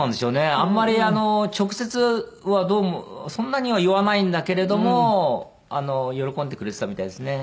あんまり直接はどうもそんなには言わないんだけれども喜んでくれてたみたいですね。